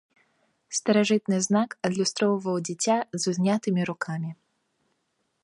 Старажытны знак адлюстроўваў дзіця з узнятымі рукамі.